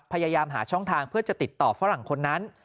พยายามหาช่องทางเพื่อจะติดต่อฝรั่งคนนั้น